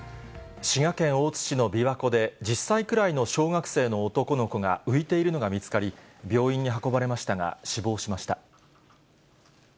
滋賀県大津市の琵琶湖で、１０歳くらいの小学生の男の子が浮いているのが見つかり、病院に運ばれましたが死亡しました。